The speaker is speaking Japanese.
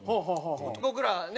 僕らね